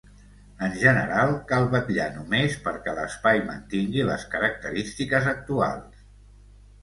En general, cal vetllar només perquè l'espai mantingui les característiques actuals.